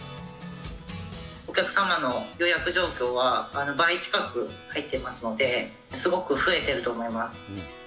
お客様の予約状況は、倍近く入ってますので、すごく増えていると思います。